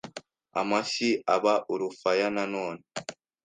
amashyi aba urufaya nanone